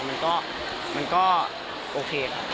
มันก็โอเคครับ